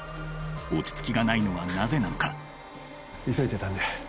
落ち着きがないのはなぜなのか急いでたんで。